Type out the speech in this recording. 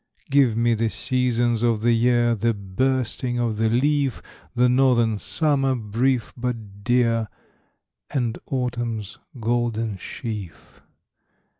Give me the seasons of the year, The bursting of the leaf, The northern summer brief but dear, And autumn's golden sheaf.